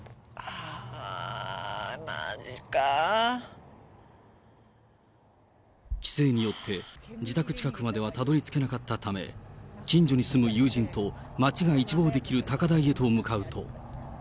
あぁ、規制によって、自宅近くまではたどりつけなかったため、近所に住む友人と街が一望できる高台へと向かうと。